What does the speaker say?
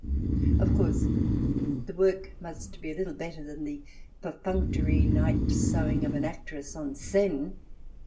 Of course, the work must be a little better than the perfunctory night's sewing of an actress en scene.